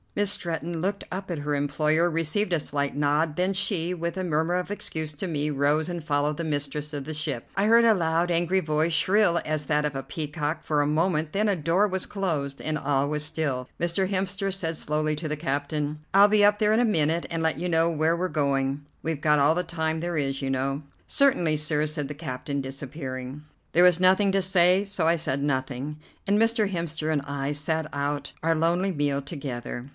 Miss Stretton looked up at her employer, received a slight nod, then she, with a murmur of excuse to me, rose and followed the mistress of the ship. I heard a loud, angry voice, shrill as that of a peacock, for a moment, then a door was closed, and all was still. Mr. Hemster said slowly to the captain: "I'll be up there in a minute and let you know where we're going. We've got all the time there is, you know." "Certainly, sir," said the captain, disappearing. There was nothing to say, so I said nothing, and Mr. Hemster and I sat out our lonely meal together.